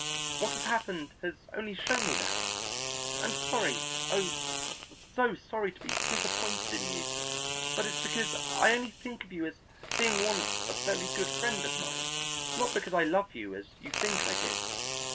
What has happened has only shown me that. I'm sorry, oh, so sorry to be disappointed in you, but it's because I only think of you as being once a very good friend of mine, not because I love you as you think I did.